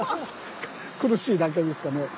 苦しいだけですかね。